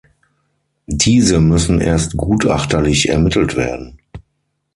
Diese müssen erst gutachterlich ermittelt werden.